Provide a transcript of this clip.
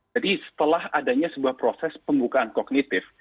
jadi setelah adanya sebuah proses pembukaan kognitif